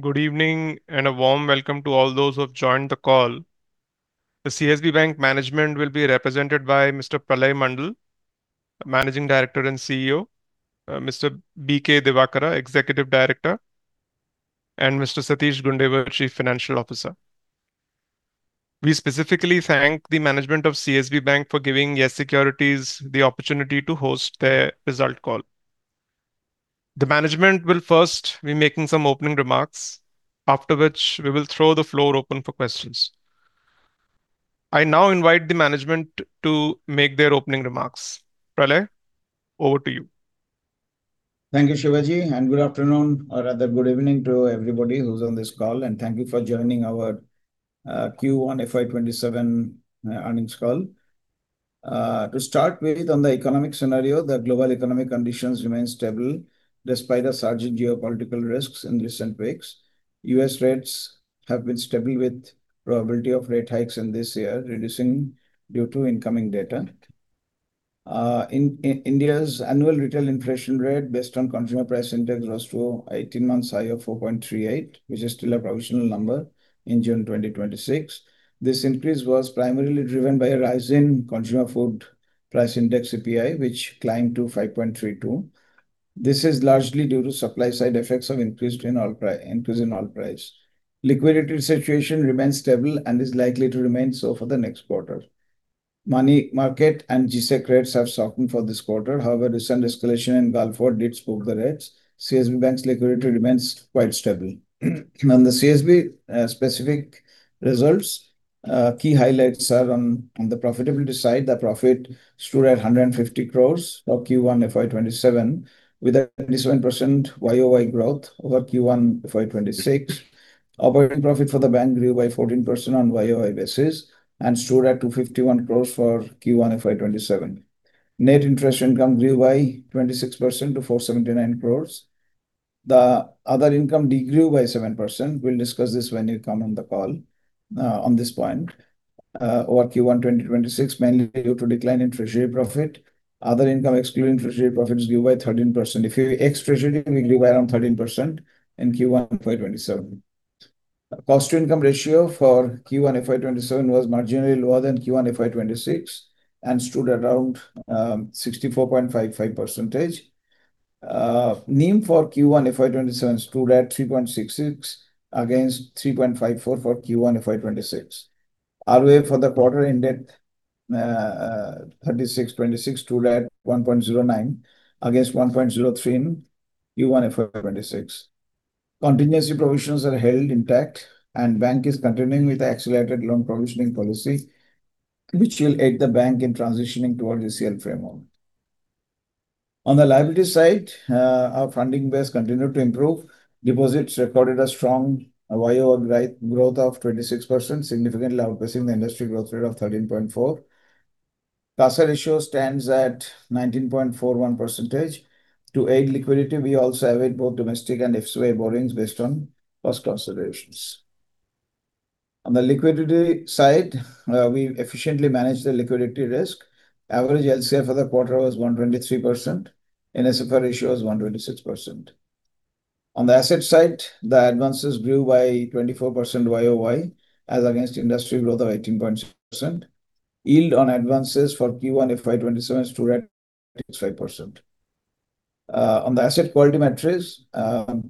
Good evening, a warm welcome to all those who have joined the call. The CSB Bank management will be represented by Mr. Pralay Mondal, Managing Director and Chief Executive Officer, Mr. B.K. Divakara, Executive Director, and Mr. Satish Gundewar, Chief Financial Officer. We specifically thank the management of CSB Bank for giving Yes Securities the opportunity to host their result call. The management will first be making some opening remarks, after which we will throw the floor open for questions. I now invite the management to make their opening remarks. Pralay, over to you. Thank you, Shivaji, good afternoon, or rather good evening to everybody who's on this call, and thank you for joining our Q1 fiscal year 2027 earnings call. To start with, on the economic scenario, the global economic conditions remain stable despite the surging geopolitical risks in recent weeks. U.S. rates have been stable with probability of rate hikes in this year reducing due to incoming data. India's annual retail inflation rate based on Consumer Price Index rose to an 18-month high of 4.38%, which is still a provisional number, in June 2026. This increase was primarily driven by a rise in Consumer Price Index, CPI, which climbed to 5.32%. This is largely due to supply side effects of increase in oil price. Liquidity situation remains stable and is likely to remain so for the next quarter. Money market and G-Sec rates have softened for this quarter. Recent escalation in Gulf War did spook the rates. CSB Bank's liquidity remains quite stable. On the CSB specific results, key highlights are on the profitability side. The profit stood at 150 crore for Q1 fiscal year 2027, with a 27% year-over-year growth over Q1 fiscal year 2026. Operating profit for the bank grew by 14% on year-over-year basis and stood at 251 crore for Q1 fiscal year 2026. Net interest income grew by 26% to 479 crore. The other income decreased by 7%. We'll discuss this when you come on the call, on this point, over Q1 2026, mainly due to decline in treasury profit. Other income excluding treasury profit has grew by 13%. If you ex treasury, we grew by around 13% in Q1 fiscal year 2027. Cost-to-income ratio for Q1 fiscal year 2027 was marginally lower than Q1 fiscal year 2026 and stood around 64.55%. NIM for Q1 fiscal year 2027 stood at 3.66% against 3.54% for Q1 fiscal year 2026. ROA for the quarter ended June 30, 2026 stood at 1.09% against 1.03% in Q1 fiscal year 2026. Contingency provisions are held intact. The bank is continuing with the accelerated loan provisioning policy, which will aid the bank in transitioning towards the ECL framework. On the liability side, our funding base continued to improve. Deposits recorded a strong year-over-year growth of 26%, significantly outpacing the industry growth rate of 13.4%. CASA ratio stands at 19.41%. To aid liquidity, we also await both domestic and FCY borrowings based on cost considerations. On the liquidity side, we efficiently managed the liquidity risk. Average LCR for the quarter was 123%, and NSFR ratio was 126%. On the asset side, the advances grew by 24% year-over-year as against industry growth of 18.6%. Yield on advances for Q1 fiscal year 2027 stood at 5%. On the asset quality metrics, the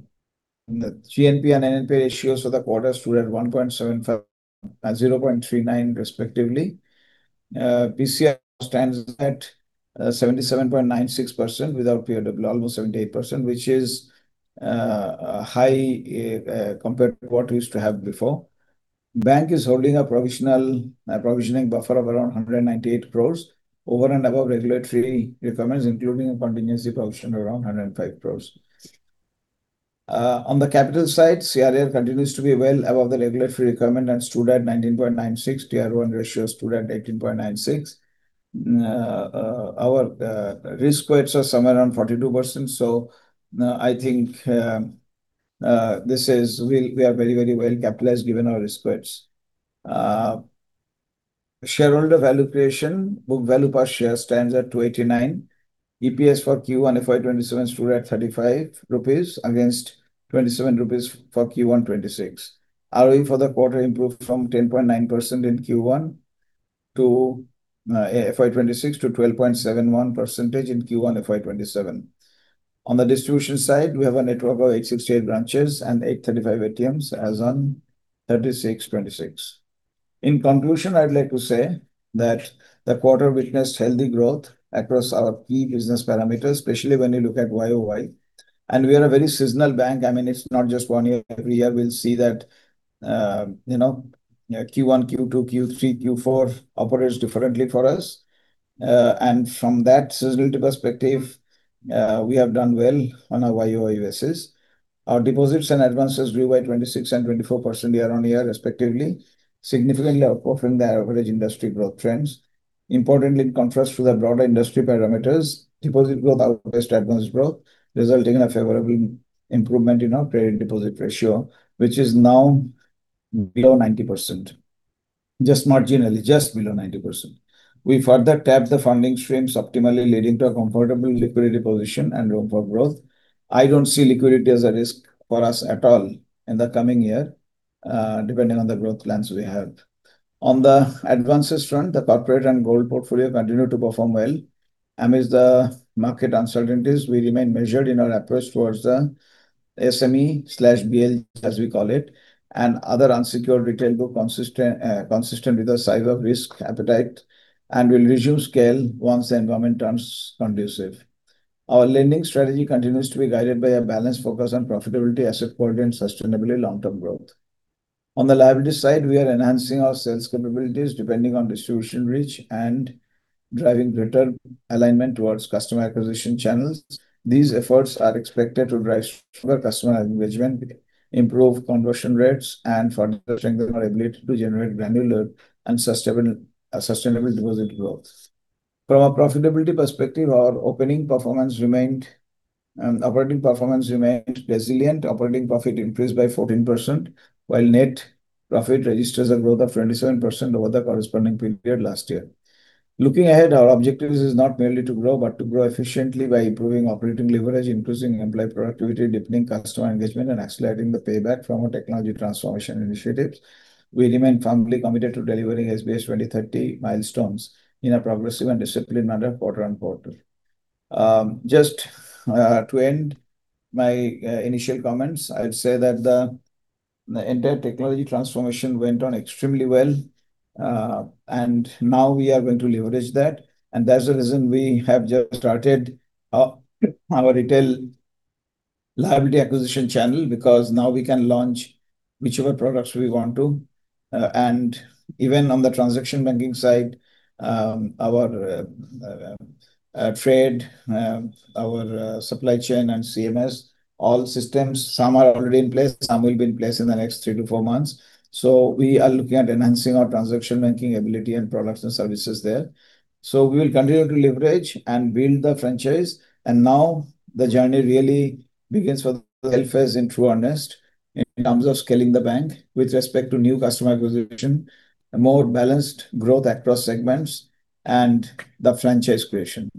GNPA and NNPA ratios for the quarter stood at 1.75% and 0.39% respectively. PCR stands at 77.96% without PW, almost 78%, which is high compared to what we used to have before. Bank is holding a provisioning buffer of around 198 crore, over and above regulatory requirements, including a contingency provision around 105 crore. On the capital side, CRAR continues to be well above the regulatory requirement and stood at 19.96%. Tier 1 ratio stood at 18.96%. Our risk weights are somewhere around 42%, so I think we are very well capitalized given our risk weights. Shareholder value creation. Book value per share stands at 289. EPS for Q1 fiscal year 2027 stood at 35 rupees against 27 rupees for Q1 fiscal year 2026. ROE for the quarter improved from 10.9% in Q1 fiscal year 2026 to 12.71% in Q1 fiscal year 2027. On the distribution side, we have a network of 868 branches and 835 ATMs as on June 30, 2026. In conclusion, I'd like to say that the quarter witnessed healthy growth across our key business parameters, especially when you look at year-on-year. We are a very seasonal bank. It's not just one year. Every year, we'll see that Q1, Q2, Q3, Q4 operates differently for us. From that seasonality perspective, we have done well on our year-on-year basis. Our deposits and advances grew by 26% and 24% year-on-year respectively, significantly outperforming the average industry growth trends. Importantly, in contrast to the broader industry parameters, deposit growth outpaced advances growth, resulting in a favorable improvement in our credit deposit ratio, which is now below 90%. Just marginally below 90%. We further tapped the funding streams optimally, leading to a comfortable liquidity position and room for growth. I don't see liquidity as a risk for us at all in the coming year, depending on the growth plans we have. On the advances front, the corporate and gold portfolio continue to perform well. Amidst the market uncertainties, we remain measured in our approach towards the SME/BL, as we call it, and other unsecured retail book consistent with the cyber risk appetite, and will resume scale once the environment turns conducive. Our lending strategy continues to be guided by a balanced focus on profitability, asset quality, and sustainable long-term growth. On the liability side, we are enhancing our sales capabilities deepening our distribution reach and driving return alignment towards customer acquisition channels. These efforts are expected to drive stronger customer engagement, improve conversion rates, and further strengthen our ability to generate granular and sustainable deposit growth. From a profitability perspective, our operating performance remained resilient. Operating profit increased by 14%, while net profit registers a growth of 27% over the corresponding period last year. Looking ahead, our objective is not merely to grow, but to grow efficiently by improving operating leverage, increasing employee productivity, deepening customer engagement, and accelerating the payback from our technology transformation initiatives. We remain firmly committed to delivering SBS 2030 milestones in a progressive and disciplined manner quarter-on-quarter. Just to end my initial comments, I'd say that the entire technology transformation went on extremely well. Now we are going to leverage that, and that's the reason we have just started our retail liability acquisition channel, because now we can launch whichever products we want to. Even on the transaction banking side, our trade, our supply chain, and CMS, all systems, some are already in place, some will be in place in the next three to four months. We are looking at enhancing our transaction banking ability and products and services there. We will continue to leverage and build the franchise, and now the journey really begins for the health phase in true earnest in terms of scaling the bank with respect to new customer acquisition, a more balanced growth across segments, and the franchise creation.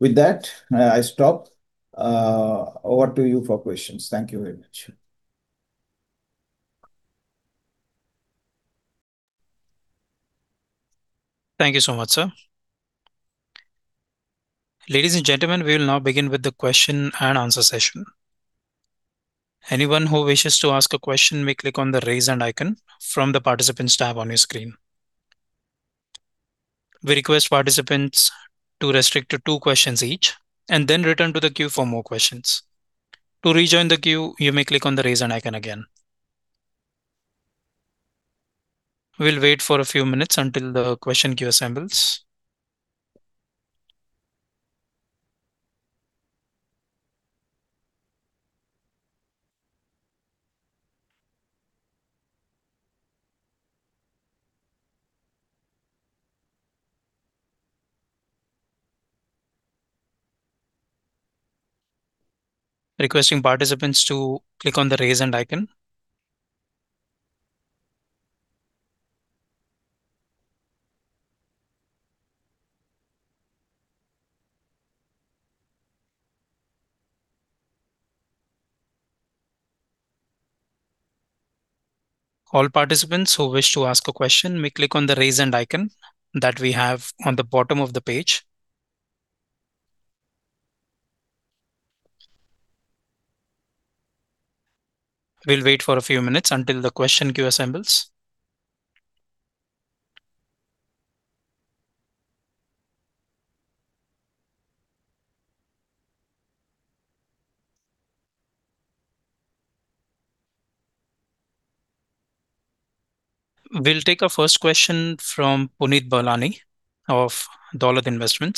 With that, I stop. Over to you for questions. Thank you very much. Thank you so much, sir. Ladies and gentlemen, we will now begin with the question-and-answer session. Anyone who wishes to ask a question may click on the raise hand icon from the participants tab on your screen. We request participants to restrict to two questions each and then return to the queue for more questions. To rejoin the queue, you may click on the raise hand icon again. We will wait for a few minutes until the question queue assembles. Requesting participants to click on the raise hand icon. All participants who wish to ask a question may click on the raise hand icon that we have on the bottom of the page. We will wait for a few minutes until the question queue assembles. We will take our first question from Puneet Balani of Dolat Capital.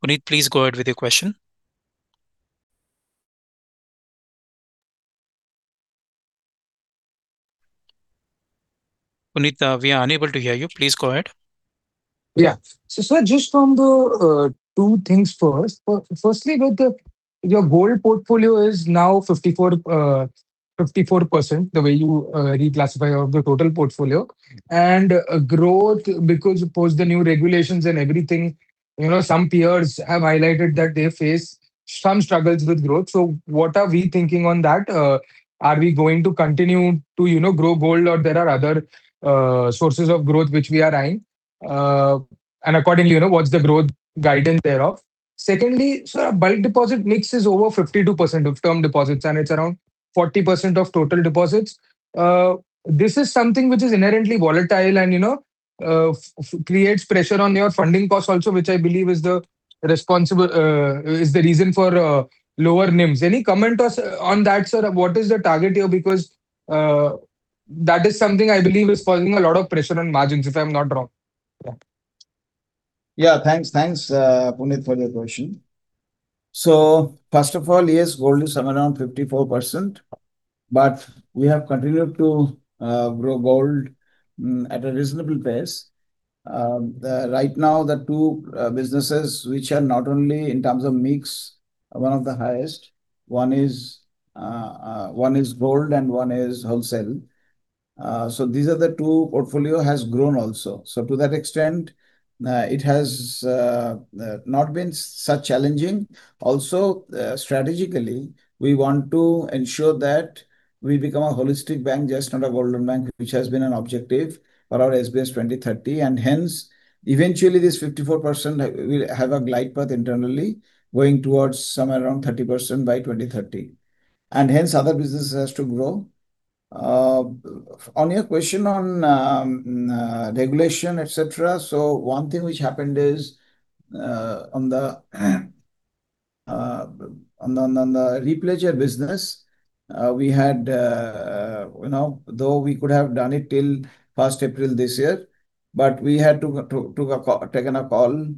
Puneet, please go ahead with your question. Puneet, we are unable to hear you. Please go ahead. Yeah. Just from the two things first. Firstly, with your gold portfolio is now 54%, the way you reclassify year of the total portfolio. Growth, because post the new regulations and everything, some peers have highlighted that they face some struggles with growth. What are we thinking on that? Are we going to continue to grow gold or there are other sources of growth which we are eyeing? Accordingly, what is the growth guidance thereof? Secondly, sir, our bulk deposit mix is over 52% of term deposits, and it is around 40% of total deposits. This is something which is inherently volatile and creates pressure on your funding cost also, which I believe is the reason for lower NIMs. Any comment on that, sir? What is the target here? Because that is something I believe is causing a lot of pressure on margins, if I am not wrong. Thanks, Puneet, for your question. First of all, yes, gold is somewhere around 54%, but we have continued to grow gold at a reasonable pace. Right now, the two businesses, which are not only in terms of mix one of the highest, one is gold and one is wholesale. These are the two portfolio has grown also. To that extent, it has not been so challenging. Strategically, we want to ensure that we become a holistic bank, just not a golden bank, which has been an objective for our SBS 2030, hence, eventually this 54% will have a glide path internally going towards somewhere around 30% by 2030, hence other businesses has to grow. On your question on regulation, et cetera, one thing which happened is, on the replacer business, though we could have done it till past April this year, we had to taken a call,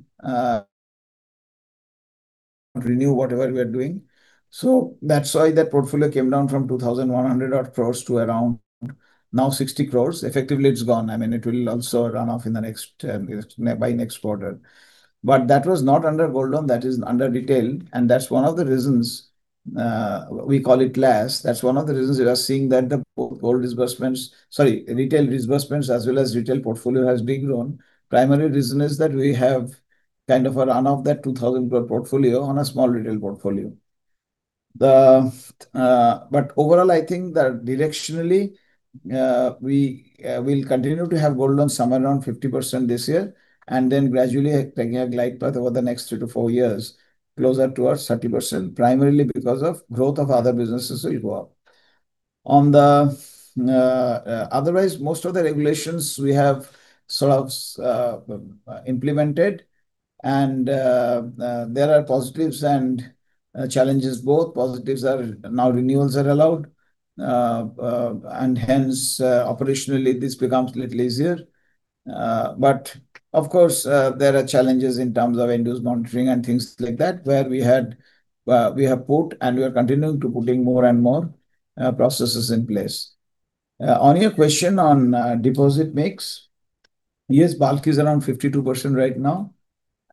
renew whatever we are doing. That's why that portfolio came down from 2,100 odd crores to around now 60 crores. Effectively, it's gone. It will also run off by next quarter. That was not under golden, that is under retail, that's one of the reasons we call it last. That's one of the reasons we are seeing that the gold disbursements, sorry, retail disbursements as well as retail portfolio has big grown. Primary reason is that we have kind of a run of that 2,000 crore portfolio on a small retail portfolio. Overall, I think that directionally, we will continue to have gold loans somewhere around 50% this year, then gradually taking a glide path over the next three to four years, closer towards 30%, primarily because of growth of other businesses will go up. Otherwise, most of the regulations we have sort of implemented and there are positives and challenges both. Positives are now renewals are allowed, hence, operationally this becomes a little easier. Of course, there are challenges in terms of induced monitoring and things like that where we have put and we are continuing to putting more and more processes in place. On your question on deposit mix, yes, bulk is around 52% right now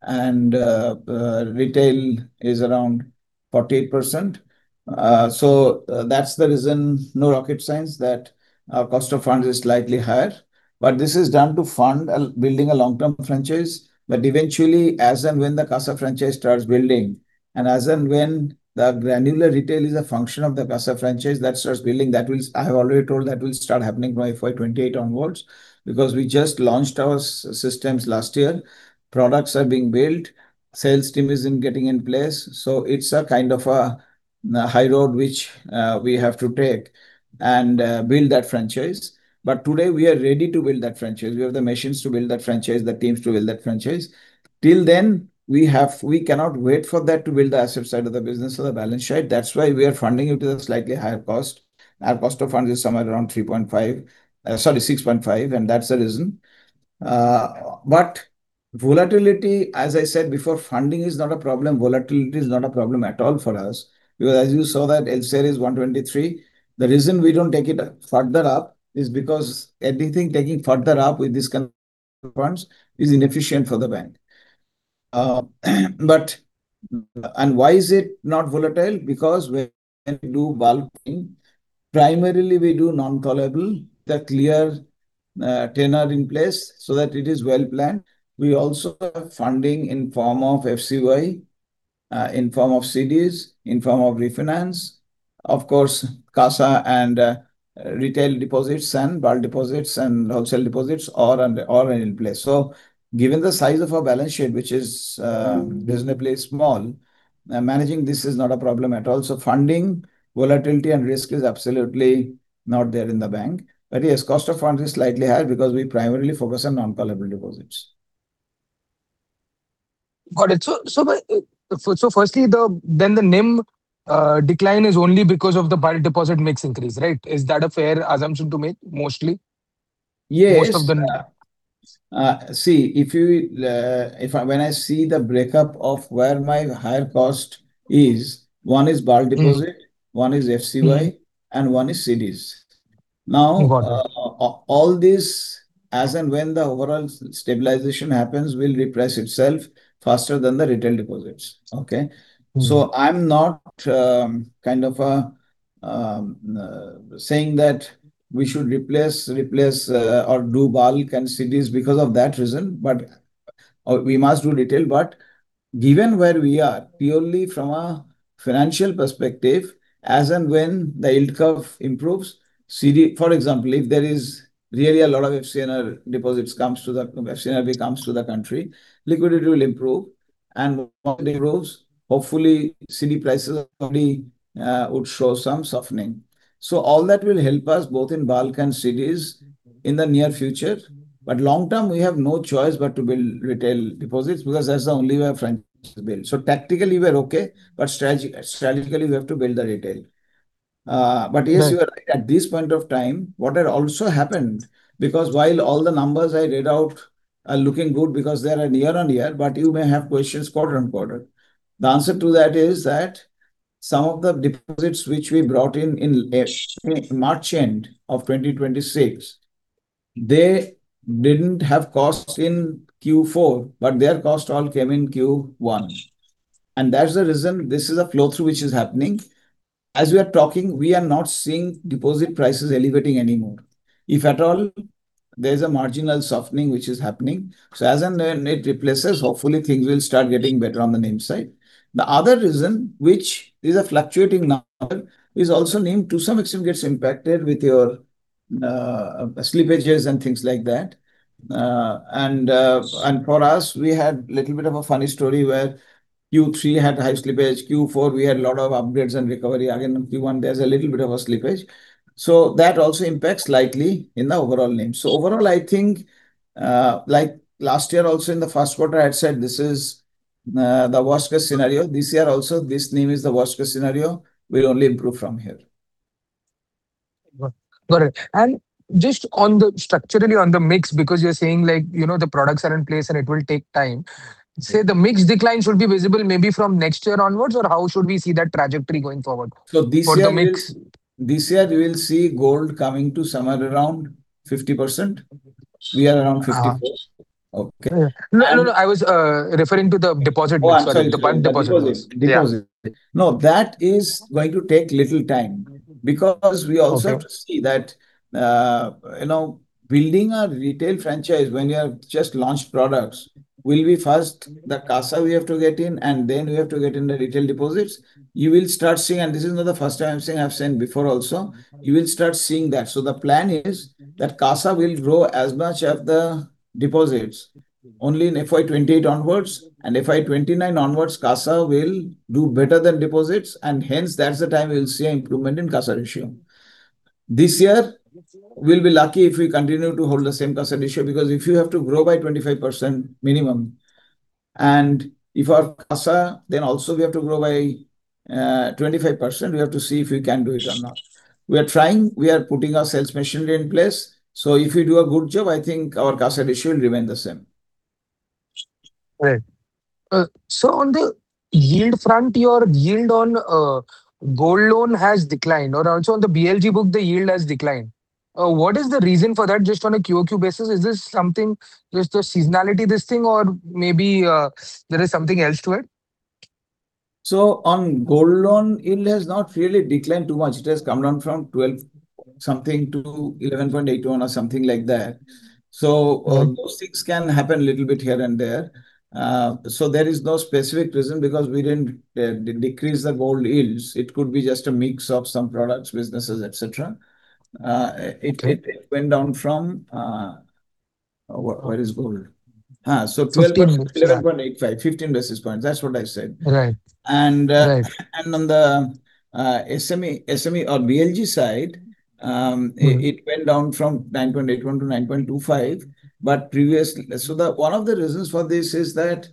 and retail is around 48%. That's the reason, no rocket science, that our cost of funds is slightly higher. This is done to fund building a long-term franchise. Eventually, as and when the CASA franchise starts building, as and when the granular retail is a function of the CASA franchise that starts building, I have already told that will start happening by fiscal year 2028 onwards, because we just launched our systems last year. Products are being built, sales team is in getting in place. It's a kind of a high road which we have to take and build that franchise. Today, we are ready to build that franchise. We have the machines to build that franchise, the teams to build that franchise. Till then, we cannot wait for that to build the asset side of the business or the balance sheet. That's why we are funding it to a slightly higher cost. Our cost of fund is somewhere around 3.5%, sorry, 6.5%, that's the reason. Volatility, as I said before, funding is not a problem. Volatility is not a problem at all for us, because as you saw that LCR is 123. The reason we don't take it further up is because everything taking further up with these kind of funds is inefficient for the bank. Why is it not volatile? Because when we do bulk, primarily we do non-callable, the clear tenor in place so that it is well planned. We also have funding in form of FCY, in form of CDs, in form of refinance. Of course, CASA and retail deposits and bulk deposits and wholesale deposits are all in place. Given the size of our balance sheet, which is reasonably small, managing this is not a problem at all. Funding volatility and risk is absolutely not there in the bank. Yes, cost of funds is slightly high because we primarily focus on non-callable deposits. Got it. Firstly, the NIM decline is only because of the bulk deposit mix increase, right? Is that a fair assumption to make mostly? Yes. Most of the- When I see the breakup of where my higher cost is, one is bulk deposit. one is FCY, and one is CDs. Now. Got it. All this, as and when the overall stabilization happens, will repress itself faster than the retail deposits. Okay? I'm not kind of saying that we should replace or do bulk and CDs because of that reason, we must do retail. Given where we are, purely from a financial perspective, as and when the yield curve improves, CD, for example, if there is really a lot of FCNR deposits comes to the, FCNRB comes to the country, liquidity will improve. When it improves, hopefully CD prices probably would show some softening. All that will help us both in bulk and CDs in the near future. Long-term, we have no choice but to build retail deposits because that's the only way our franchise will build. Tactically, we're okay, but strategically, we have to build the retail. Yes, you are right. At this point of time, what had also happened, because while all the numbers I read out are looking good because they are at year-on-year, but you may have questions quarter-on-quarter. The answer to that is that some of the deposits which we brought in March end of 2026, they didn't have costs in Q4, but their cost all came in Q1. That's the reason this is a flow-through which is happening. As we are talking, we are not seeing deposit prices elevating anymore. If at all, there's a marginal softening which is happening. As a net replaces, hopefully things will start getting better on the NIM side. The other reason, which is a fluctuating number, is also NIM to some extent gets impacted with your slippages and things like that. For us, we had little bit of a funny story where Q3 had high slippage. Q4, we had a lot of upgrades and recovery. Again, in Q1, there's a little bit of a slippage. That also impacts slightly in the overall NIM. Overall, I think, like last year also in the first quarter, I had said this is the worst case scenario. This year also, this NIM is the worst case scenario. We'll only improve from here. Got it. Just structurally on the mix, because you're saying the products are in place and it will take time. Say, the mix decline should be visible maybe from next year onwards, or how should we see that trajectory going forward for the mix? This year we will see gold coming to somewhere around 50%. We are around 50%. Okay. I was referring to the deposit mix, sorry. The bulk deposit. Deposits. Yeah. Deposits. That is going to take little time, because we also have to see that building our retail franchise, when we have just launched products, will be first the CASA we have to get in, and then we have to get in the retail deposits. You will start seeing, and this is not the first time I am saying, I have said before also, you will start seeing that. The plan is that CASA will grow as much as the deposits only in fiscal year 2028 onwards, fiscal year 2029 onwards, CASA will do better than deposits, and hence, that's the time we will see a improvement in CASA ratio. This year, we will be lucky if we continue to hold the same CASA ratio, because if you have to grow by 25% minimum, and if our CASA, then also we have to grow by 25%, we have to see if we can do it or not. We are trying, we are putting our sales machinery in place, so if we do a good job, I think our CASA ratio will remain the same. Right. On the yield front, your yield on gold loan has declined, or also on the BLG book, the yield has declined. What is the reason for that, just on a quarter-on-quarter basis? Is this something just a seasonality, this thing, or maybe there is something else to it? On gold loan, yield has not really declined too much. It has come down from 12% something to 11.81% or something like that. Those things can happen a little bit here and there. There is no specific reason because we didn't decrease the gold yields. It could be just a mix of some products, businesses, et cetera. It went down from Where is gold? 12.85%. 15 basis points. 15 basis points, that's what I said. Right. On the SME or BLG side, it went down from 9.81%-9.25%. One of the reasons for this is that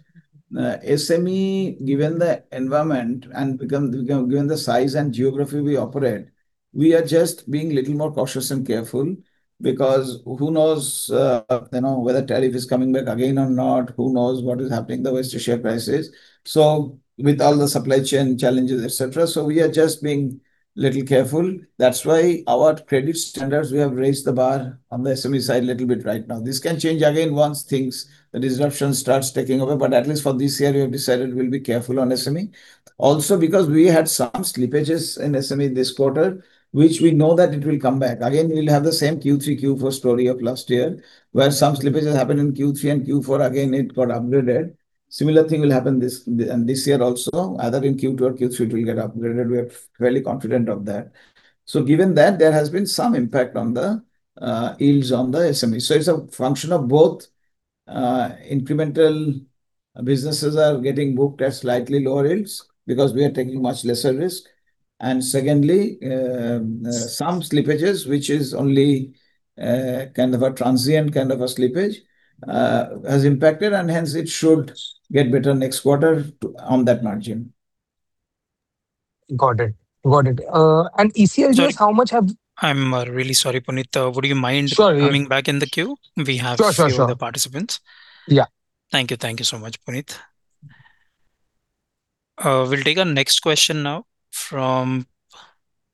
SME, given the environment, and given the size and geography we operate, we are just being little more cautious and careful, because who knows whether tariff is coming back again or not? Who knows what is happening, the worst share prices? With all the supply chain challenges, et cetera, we are just being a little careful. That's why our credit standards, we have raised the bar on the SME side a little bit right now. This can change again once the disruption starts taking over, but at least for this year, we have decided we'll be careful on SME. Because we had some slippages in SME this quarter, which we know that it will come back. We'll have the same Q3, Q4 story of last year, where some slippage has happened in Q3 and Q4, again, it got upgraded. Similar thing will happen this year also, either in Q2 or Q3, it will get upgraded. We are fairly confident of that. Given that, there has been some impact on the yields on the SME. It's a function of both. Incremental businesses are getting booked at slightly lower yields because we are taking much lesser risk. Secondly, some slippages, which is only a transient kind of a slippage, has impacted, and hence it should get better next quarter on that margin. Got it. ECLS, how much have- I'm really sorry, Puneet. Would you mind- Sorry Coming back in the queue? Sure A few other participants. Yeah. Thank you. Thank you so much, Puneet. We'll take our next question now from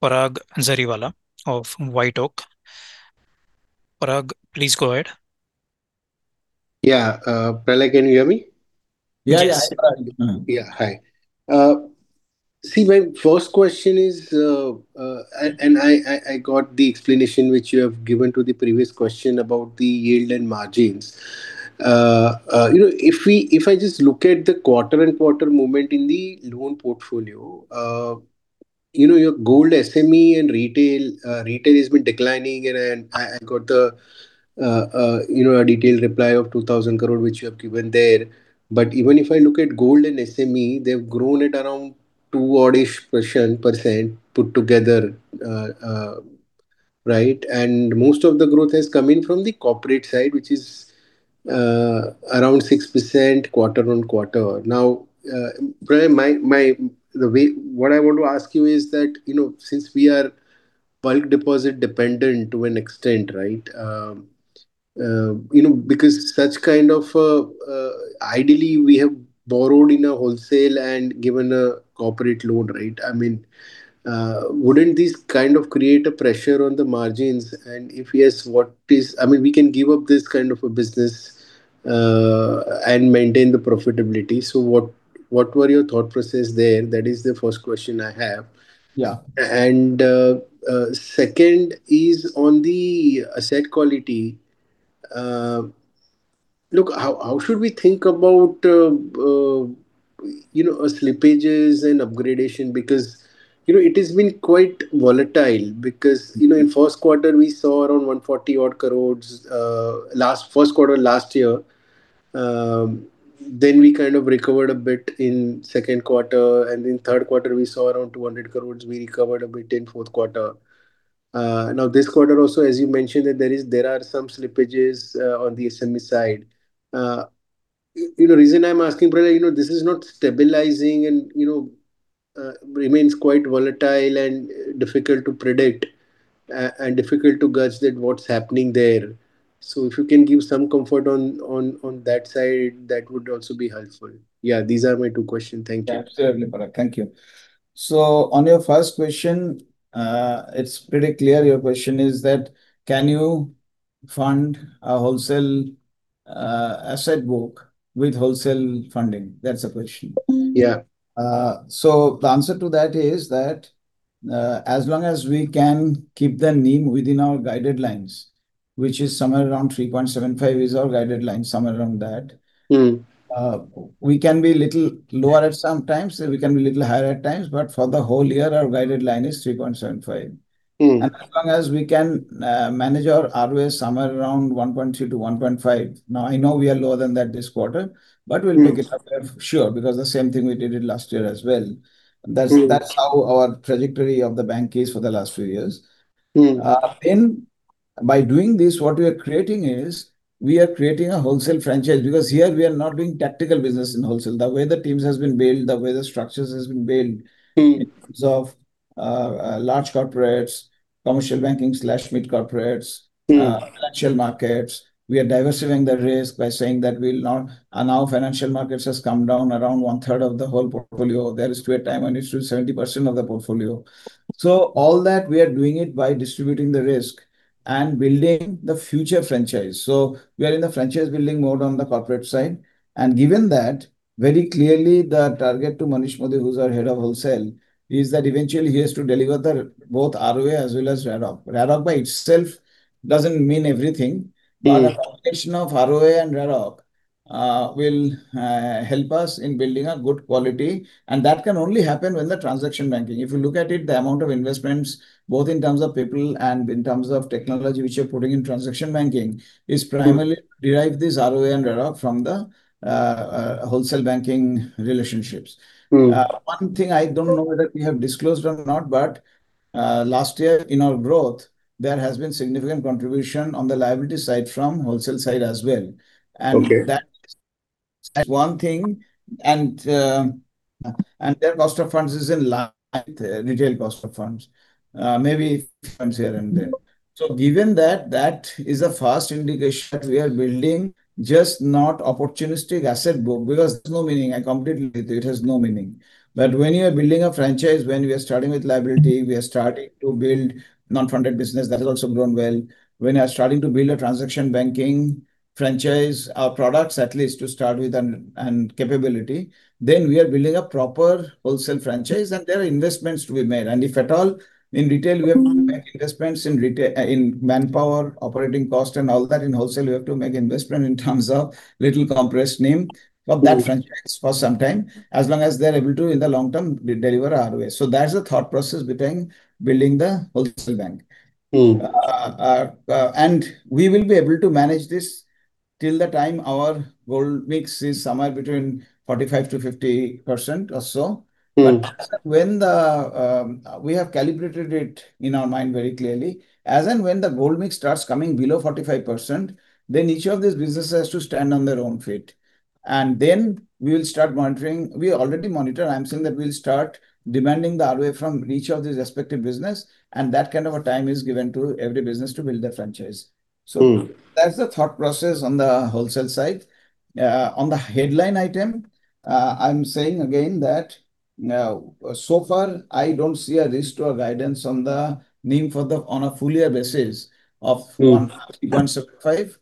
Parag Jariwala of White Oak. Parag, please go ahead. Yeah. Pralay, can you hear me? Yeah. Yes. Yeah. Hi. My first question is, I got the explanation which you have given to the previous question about the yield and margins. If I just look at the quarter-over-quarter movement in the loan portfolio, your gold SME and retail has been declining, and I got a detailed reply of 2,000 crore, which you have given there. Even if I look at gold and SME, they've grown at around 2 odd-ish % put together. Most of the growth has come in from the corporate side, which is around 6% quarter-over-quarter. Pralay, what I want to ask you is that, since we are bulk deposit dependent to an extent, because such kind of Ideally, we have borrowed in a wholesale and given a corporate loan rate. Wouldn't this kind of create a pressure on the margins? If yes, we can give up this kind of a business, and maintain the profitability. What were your thought process there? That is the first question I have. Yeah. Second is on the asset quality. How should we think about slippages and upgradation? It has been quite volatile because in first quarter, we saw around 140 odd crore, first quarter last year. We kind of recovered a bit in second quarter, in third quarter, we saw around 200 crore. We recovered a bit in fourth quarter. This quarter also, as you mentioned, there are some slippages on the SME side. The reason I'm asking, this is not stabilizing and remains quite volatile and difficult to predict, and difficult to gauge what's happening there. If you can give some comfort on that side, that would also be helpful. Yeah, these are my two questions. Thank you. Absolutely, Parag. Thank you. On your first question, it's pretty clear your question is that can you fund a wholesale asset book with wholesale funding? That's the question. Yeah. The answer to that is that, as long as we can keep the NIM within our guidelines, which is somewhere around 3.75% is our guideline, somewhere around that. We can be little lower at some times, and we can be little higher at times, but for the whole year, our guideline is 3.75%. As long as we can manage our ROA somewhere around 1.2%-1.5%. Now I know we are lower than that this quarter, but we'll make it up there for sure, because the same thing we did it last year as well. That's how our trajectory of the bank is for the last few years. By doing this, what we are creating is, we are creating a wholesale franchise because here we are not doing tactical business in wholesale. The way the teams have been built, the way the structures have been built- in terms of large corporates, commercial banking/mid corporates- financial markets. We are diversifiscal yearing the risk by saying that now financial markets have come down around 1/3 of the whole portfolio. There is a period of time when it's true, 70% of the portfolio. All that we are doing it by distributing the risk and building the future franchise. We are in the franchise building mode on the corporate side. Given that, very clearly the target to Manish Modi, who's our Head of Wholesale, is that eventually he has to deliver both ROA as well as ROIC. ROIC by itself doesn't mean everything. A combination of ROA and ROIC will help us in building a good quality. That can only happen when the transaction banking. If you look at it, the amount of investments, both in terms of people and in terms of technology which we're putting in transaction banking, is primarily derive this ROA and ROIC from the wholesale banking relationships. One thing I don't know whether we have disclosed or not, last year in our growth, there has been significant contribution on the liability side from wholesale side as well. Okay. That's one thing. Their cost of funds is in line with retail cost of funds. Maybe it comes here and there. Given that is a fast indication that we are building just not opportunistic asset book, because it has no meaning. I completely agree with you, it has no meaning. When you are building a franchise, when we are starting with liability, we are starting to build non-funded business, that has also grown well. When you are starting to build a transaction banking franchise, our products at least to start with, and capability, then we are building a proper wholesale franchise, and there are investments to be made. If at all, in retail, we have to make investments in manpower, operating cost and all that. In wholesale, we have to make investment in terms of little compressed NIM for that franchise for some time, as long as they're able to, in the long term, deliver ROA. That's the thought process behind building the wholesale bank. We will be able to manage this till the time our gold mix is somewhere between 45%-50% or so. We have calibrated it in our mind very clearly. As and when the gold mix starts coming below 45%, then each of these businesses has to stand on their own feet. Then we will start monitoring. We already monitor. I'm saying that we'll start demanding the ROA from each of these respective business, and that kind of a time is given to every business to build their franchise. That's the thought process on the wholesale side. On the headline item, I'm saying again that, so far I don't see a risk to our guidance on the NIM on a full year basis of 1.3%-1.75%.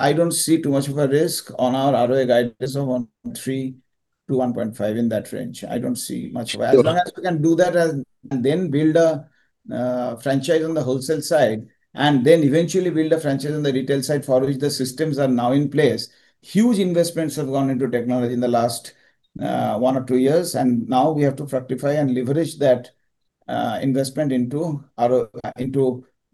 I don't see too much of a risk on our ROA guidance of 1.3%-1.5%, in that range. I don't see much. As long as we can do that and then build a franchise on the wholesale side, and then eventually build a franchise on the retail side for which the systems are now in place. Huge investments have gone into technology in the last, one or two years, and now we have to fructify year and leverage that investment into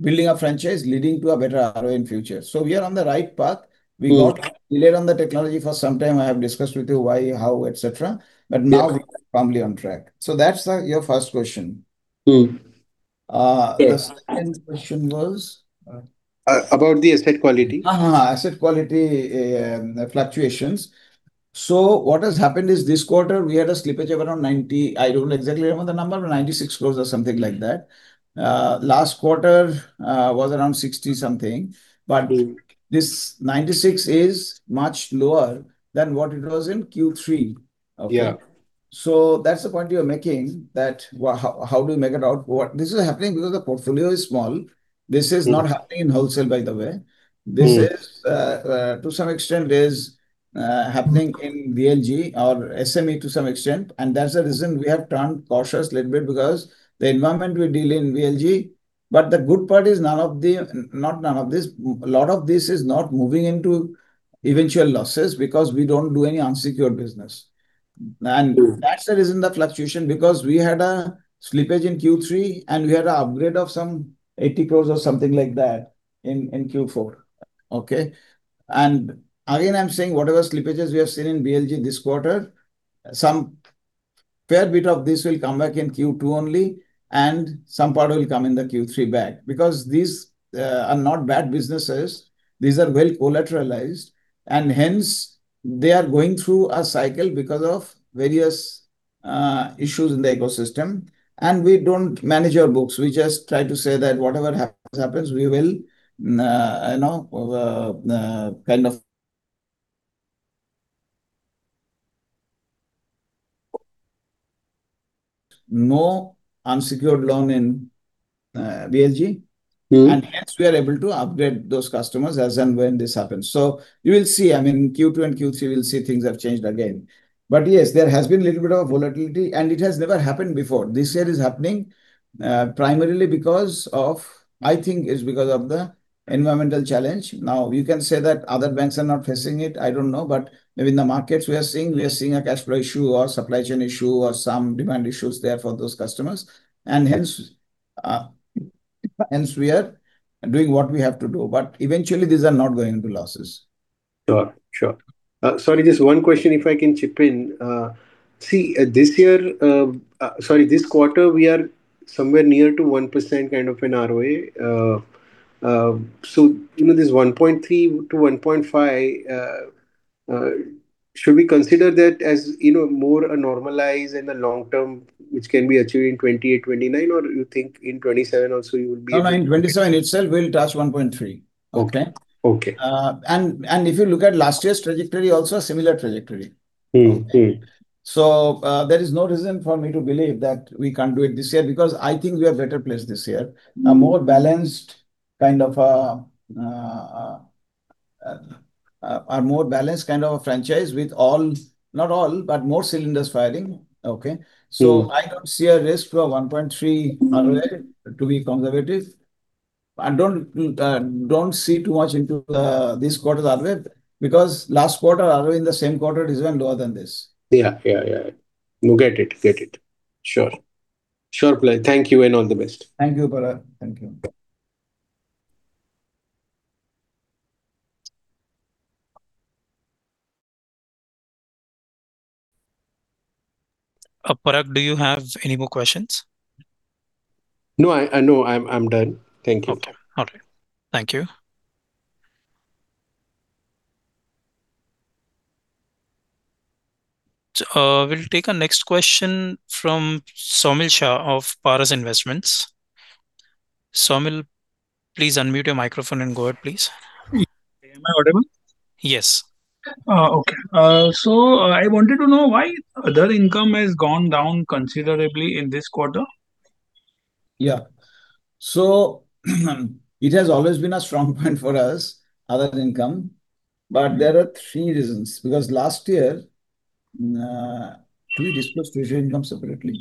building a franchise leading to a better ROA in future. We are on the right path. We got delayed on the technology for some time. I have discussed with you why, how, et cetera. Yeah. Now we are firmly on track. That's your first question. The second question was? About the asset quality. Asset quality fluctuations. What has happened is this quarter we had a slippage of around 90 crores, I don't exactly remember the number, 96 crores or something like that. Last quarter, was around 60 crores something. This 96 crore is much lower than what it was in Q3 of- Yeah That's the point you're making, that how do we make it out? This is happening because the portfolio is small. This is not happening in wholesale, by the way. This is, to some extent, happening in BLG or SME to some extent. That's the reason we have turned cautious a little bit because the environment we deal in BLG. The good part is, a lot of this is not moving into eventual losses because we don't do any unsecured business. That's the reason, the fluctuation because we had a slippage in Q3 and we had an upgrade of some 80 crores or something like that in Q4. Okay. Again, I'm saying whatever slippages we have seen in BLG this quarter, some fair bit of this will come back in Q2 only and some part will come in the Q3 back. Because these are not bad businesses. These are well collateralized, and hence, they are going through a cycle because of various issues in the ecosystem. We don't manage our books, we just try to say that whatever happens, No unsecured loan in BLG. Hence, we are able to upgrade those customers as and when this happens. You will see, I mean, in Q2 and Q3 we'll see things have changed again. Yes, there has been a little bit of volatility, and it has never happened before. This year is happening, primarily because of, I think it's because of the environmental challenge. You can say that other banks are not facing it, I don't know. Maybe in the markets we are seeing a cash flow issue or supply chain issue or some demand issues there for those customers. Hence, we are doing what we have to do. Eventually, these are not going into losses. Sure. Sorry, just one question, if I can chip in. This year, sorry, this quarter, we are somewhere near to 1% kind of an ROA. This 1.3%-1.5%, should we consider that as more normalized in the long term, which can be achieved in 2028/2029? Or you think in 2027 also you would be- No, no, in 2027 itself we'll touch 1.3%. Okay? Okay. If you look at last year's trajectory, also a similar trajectory. There is no reason for me to believe that we can't do it this year, because I think we are better placed this year. A more balanced kind of a franchise with all, not all, but more cylinders firing. Okay? I don't see a risk for 1.3% ROA. To be conservative. Don't see too much into this quarter's ROA, because last quarter, ROA in the same quarter is even lower than this. Yeah. No, get it. Sure. Thank you and all the best. Thank you, Parag. Thank you. Parag, do you have any more questions? No, I'm done. Thank you. Okay. Thank you. We'll take our next question from Somil Shah of Paras Investments. Somil, please unmute your microphone and go ahead, please. Am I audible? Yes. Okay. I wanted to know why other income has gone down considerably in this quarter. Yeah. It has always been a strong point for us, other income. There are three reasons, because last year, do we disclose treasury income separately?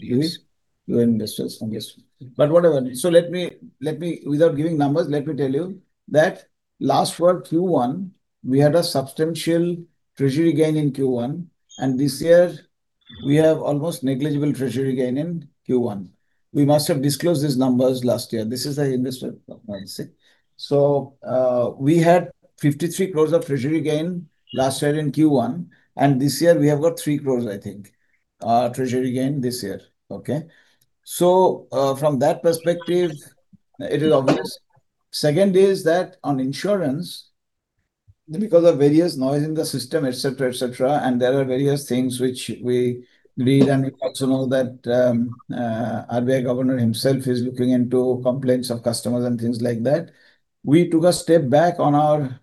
Yes. You and investors, yes. Whatever. Without giving numbers, let me tell you that last year, Q1, we had a substantial treasury gain in Q1, and this year we have almost negligible treasury gain in Q1. We must have disclosed these numbers last year. This is the investor point, see. We had 53 crores of treasury gain last year in Q1, and this year we have got 3 crores, I think, treasury gain this year. Okay? From that perspective, it is obvious. Second is that on insurance, because of various noise in the system, et cetera, and there are various things which we read, and we also know that, RBI governor himself is looking into complaints of customers and things like that. We took a step back on our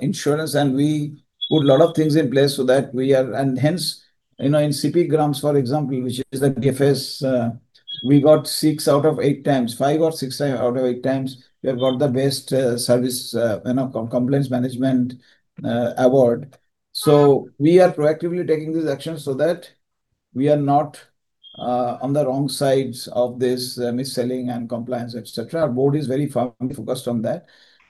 insurance and we put a lot of things in place so that we are. Hence, in CPGRAMS, for example, which is the GIFS, we got six out of eight times, five or six out of eight times, we have got the best service compliance management award. We are proactively taking these actions so that we are not on the wrong sides of this misselling and compliance, et cetera. Our board is very firmly focused on that.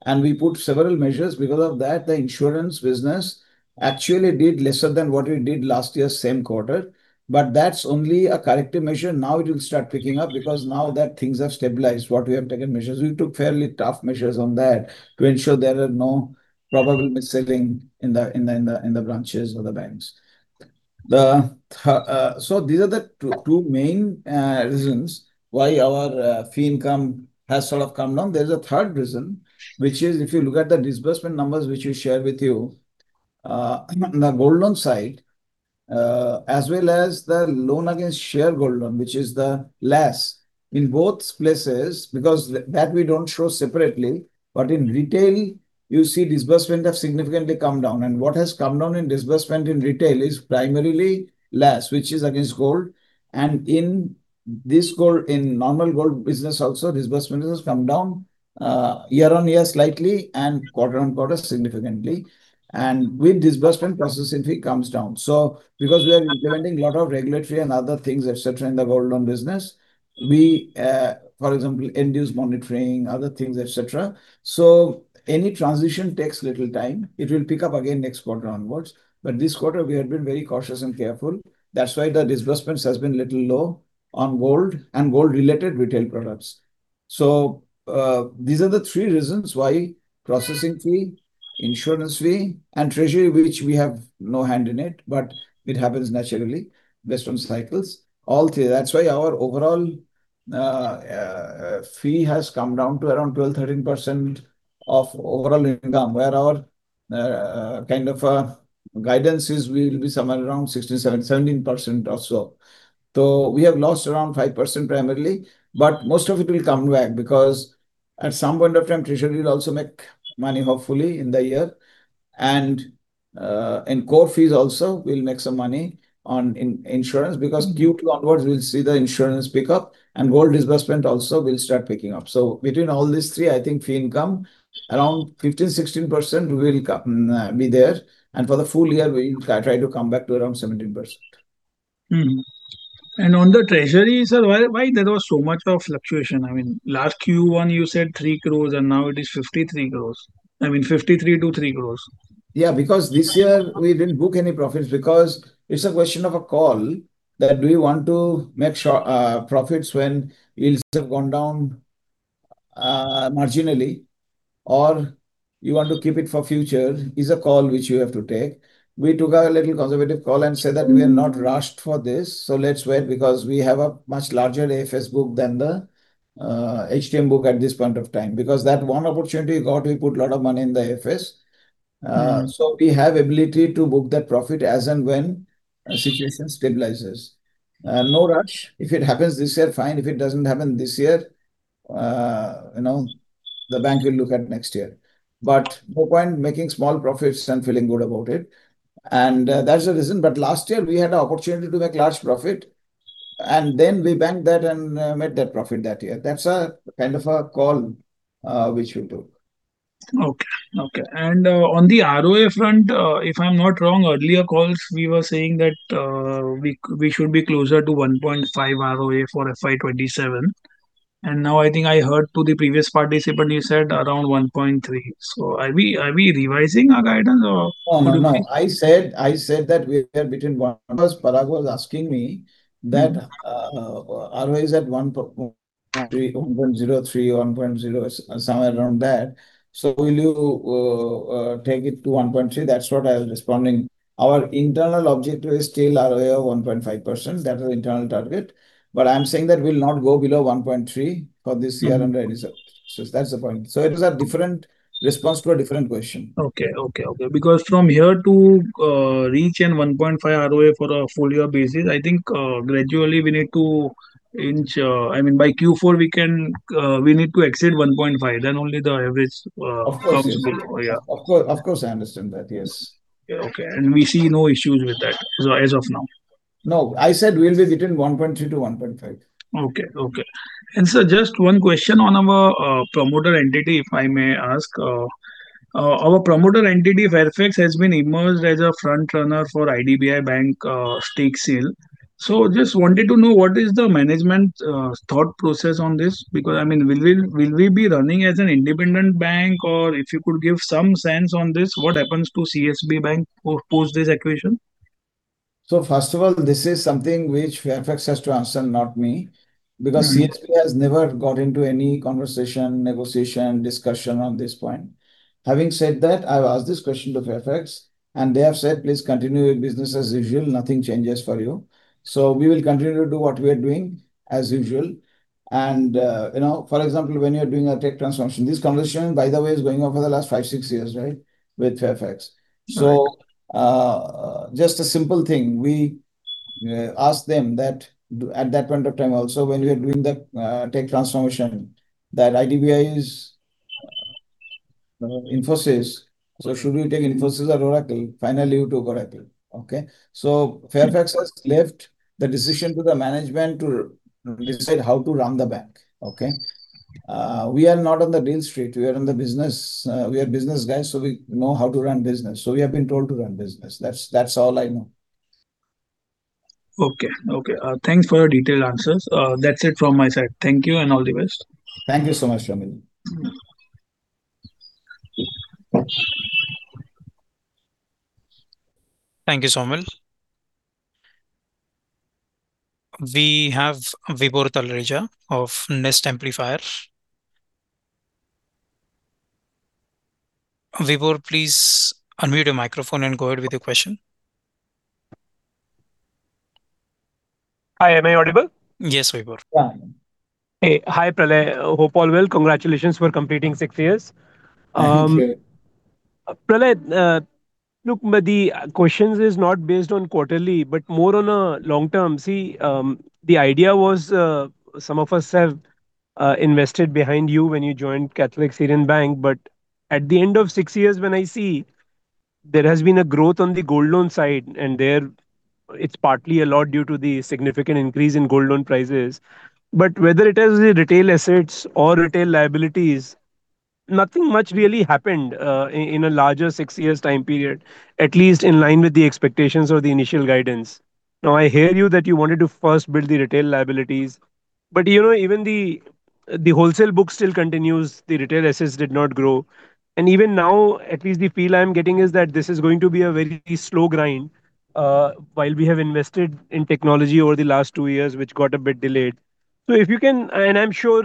We put several measures. Because of that, the insurance business actually did lesser than what we did last year same quarter. That's only a corrective measure. Now it will start picking up, because now that things have stabilized, what we have taken measures. We took fairly tough measures on that to ensure there are no probable misselling in the branches of the banks. These are the two main reasons why our fee income has sort of come down. There's a third reason, which is if you look at the disbursement numbers, which we shared with you, the gold loan side as well as the loan against share gold loan, which is the LAS. In both places, because that we don't show separately, but in retail, you see disbursement have significantly come down. What has come down in disbursement in retail is primarily LAS, which is against gold. In normal gold business also, disbursement has come down year-on-year slightly and quarter-on-quarter significantly. With disbursement, processing fee comes down. Because we are undergoing a lot of regulatory and other things, et cetera, in the gold loan business, for example, induced monitoring, other things, et cetera. Any transition takes little time. It will pick up again next quarter onwards. This quarter we have been very cautious and careful. That's why the disbursements has been little low on gold and gold-related retail products. These are the three reasons why processing fee, insurance fee, and treasury, which we have no hand in it, but it happens naturally based on cycles. All three. That's why our overall fee has come down to around 12%-13% of overall income, where our guidance will be somewhere around 16%-17% or so. We have lost around 5% primarily, but most of it will come back because at some point of time treasury will also make money, hopefully, in the year. Core fees also, we'll make some money on insurance because Q2 onwards we'll see the insurance pick up and gold disbursement also will start picking up. Between all these three, I think fee income around 15%-16% will be there. For the full year, we'll try to come back to around 17%. Mm-hmm. On the treasury, sir, why there was so much of fluctuation? Last Q1 you said 3 crores, and now it is 53 crores. I mean, 53 crores to 3 crores. Because this year we didn't book any profits because it's a question of a call that do we want to make profits when yields have gone down marginally, or you want to keep it for future, is a call which you have to take. We took a little conservative call and said that we are not rushed for this, so let's wait because we have a much larger AFS book than the HTM book at this point of time. Because that one opportunity we got, we put a lot of money in the AFS. We have ability to book that profit as and when situation stabilizes. No rush. If it happens this year, fine. If it doesn't happen this year, the bank will look at next year. No point making small profits and feeling good about it. That's the reason. Last year we had a opportunity to make large profit, and then we banked that and made that profit that year. That's a kind of a call which we took. Okay. On the ROA front, if I'm not wrong, earlier calls, we were saying that we should be closer to 1.5 ROA for fiscal year 2027. Now I think I heard to the previous participant you said around 1.3. Are we revising our guidance or? No, I said that we are between one, because Parag was asking me that ROA is at 1.03%, 1.0%, somewhere around that. Will you take it to 1.3%? That's what I was responding. Our internal objective is still ROA of 1.5%. That is internal target. I'm saying that we'll not go below 1.3% for this year under any circumstances. That's the point. It was a different response to a different question. Okay. From here to reach an 1.5% ROA for a full year basis, I think gradually we need to inch. By Q4, we need to exceed 1.5%, only the average comes below. Yeah. Of course. Of course, I understand that, yes. Okay. We see no issues with that as of now. No. I said we will be between 1.3%-1.5%. Sir, just one question on our promoter entity, if I may ask. Our promoter entity, Fairfax, has been emerged as a frontrunner for IDBI Bank stake sale. Just wanted to know, what is the management thought process on this? Will we be running as an independent bank? Or if you could give some sense on this, what happens to CSB Bank post this acquisition? First of all, this is something which Fairfax has to answer, not me. CSB has never got into any conversation, negotiation, discussion on this point. Having said that, I have asked this question to Fairfax, they have said, "Please continue your business as usual. Nothing changes for you." We will continue to do what we are doing as usual. For example, when you are doing a tech transformation, this conversation, by the way, is going on for the last five, six years, with Fairfax. Right. Just a simple thing. We asked them that at that point of time also, when we were doing the tech transformation, that IDBI is Infosys, so should we take Infosys or Oracle? Finally, we took Oracle. Okay? Fairfax has left the decision to the management to decide how to run the bank. Okay? We are not on the deal street. We are business guys, so we know how to run business. We have been told to run business. That's all I know. Okay. Thanks for your detailed answers. That's it from my side. Thank you, and all the best. Thank you so much, Somil. Thank you, Somil. We have Vibhor Talreja of Launchbay Capital. Vibhor, please unmute your microphone and go ahead with your question. Hi, am I audible? Yes, Vibhor. Yeah. Hey. Hi, Pralay. Hope all well. Congratulations for completing six years. Thank you. Pralay, look, the question is not based on quarterly, but more on a long-term. The idea was some of us have invested behind you when you joined Catholic Syrian Bank, but at the end of six years, when I see there has been a growth on the gold loan side, and there it's partly a lot due to the significant increase in gold loan prices. Whether it is the retail assets or retail liabilities, nothing much really happened in a larger six years time period, at least in line with the expectations or the initial guidance. I hear you that you wanted to first build the retail liabilities, even the wholesale book still continues, the retail assets did not grow. Even now, at least the feel I am getting is that this is going to be a very slow grind, while we have invested in technology over the last two years, which got a bit delayed. If you can, I'm sure